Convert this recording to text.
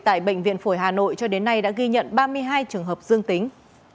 tại bệnh viện phổi hà nội cho đến nay đã ghi nhận ba mươi hai trường hợp dương tính